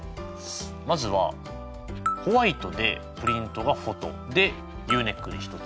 まずはホワイトでプリントがフォトでＵネックで１つ目。